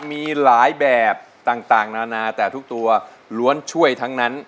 มีหลายแบบต่างนานาแต่ทุกตัวล้วนช่วยทั้งนั้น